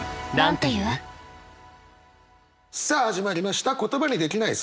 さあ始まりました「言葉にできない、そんな夜。」。